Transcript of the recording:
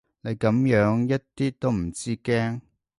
你噉樣一啲都唔知驚